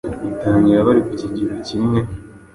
batangira bari ku kigero kimwe,